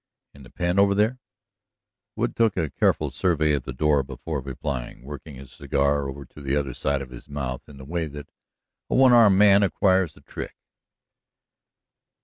"In the pen over there?" Wood took a careful survey of the door before replying, working his cigar over to the other side of his mouth in the way that a one armed man acquires the trick.